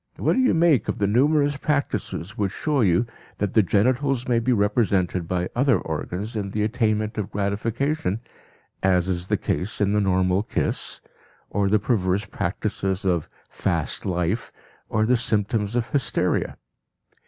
What do you make of the numerous practices which show you that the genitals may be represented by other organs in the attainment of gratification, as is the case in the normal kiss, or the perverse practices of "fast life," or the symptoms of hysteria?